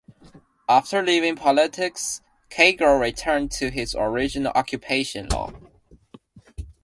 After leaving politics, Caygill returned to his original occupation, law.